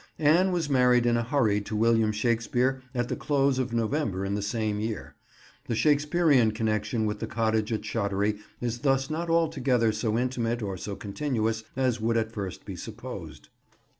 Anne was married in a hurry to William Shakespeare at the close of November in the same year. The Shakespearean connection with the cottage at Shottery is thus not altogether so intimate or so continuous as would at first be supposed.